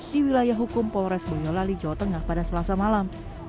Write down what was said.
di wilayah hukum polres boyolali jawa tengah pada selasa malam